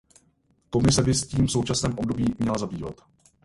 Komise by se tím v současném období měla zabývat.